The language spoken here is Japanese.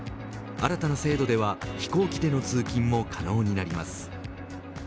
新たな制度では飛行機での通勤も可能になります。